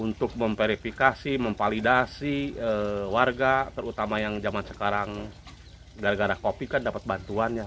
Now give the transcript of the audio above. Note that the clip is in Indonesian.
untuk memperifikasi memvalidasi warga terutama yang zaman sekarang gara gara covid sembilan belas kan dapat bantuan ya